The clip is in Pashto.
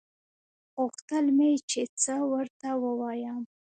غوښتل مې چې څه ورته ووايم.